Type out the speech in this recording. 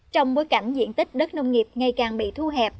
trong bối cảnh diện tích đất nông nghiệp ngày càng bị thu hẹp